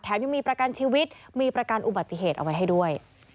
ยังมีประกันชีวิตมีประกันอุบัติเหตุเอาไว้ให้ด้วย